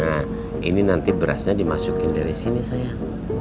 nah ini nanti berasnya dimasukin dari sini saya